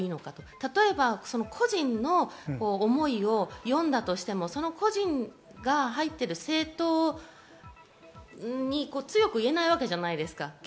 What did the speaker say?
例えば個人の思いを読んだとしても、個人が入っている政党に強く言えないわけじゃないですか。